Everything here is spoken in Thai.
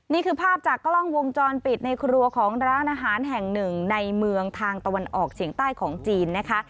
นี่คือภาพจากกล้องวงจรปิดในครัวของร้านอาหารแห่งหนึ่งในเมืองทางตะวันออกเฉียงใต้ของจีนนะคะ